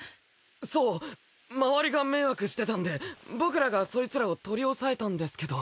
そう周りが迷惑してたんで僕らがそいつらを取り押さえたんですけど。